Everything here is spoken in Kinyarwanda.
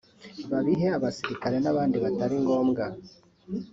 babihe abasirikare n’abandi batari ngombwa